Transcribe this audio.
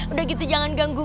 udah gitu jangan ganggu